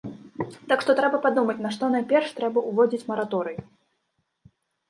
Так што трэба падумаць, на што найперш трэба ўводзіць мараторый.